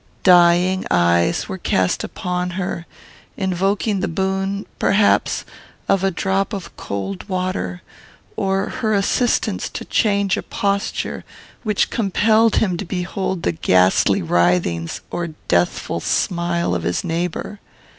Dying eyes were cast upon her, invoking the boon, perhaps, of a drop of cold water, or her assistance to change a posture which compelled him to behold the ghastly writhings or deathful smile of his neighbour.